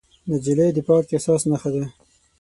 نجلۍ د پاک احساس نښه ده.